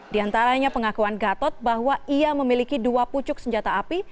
di antaranya pengakuan gatot bahwa ia memiliki dua pucuk senjata api